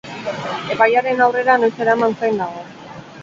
Epailearen aurrera noiz eraman zain dago.